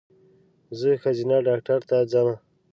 زه ښځېنه ډاکټر ته ځم